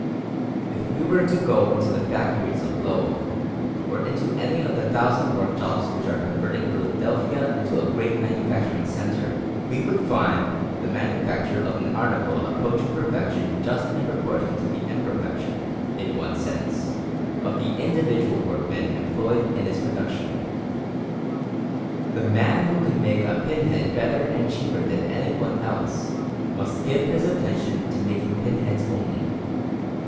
If we were to go into the factories of Lowell, or into any of the thousand workshops which are converting Philadelphia into a great manufacturing centre, we would find the manufacture of an article approaching perfection just in proportion to the _im_perfection (in one sense) of the individual workmen employed in its production. The man who can make a pin head better and cheaper than any one else, must give his attention to making pin heads only.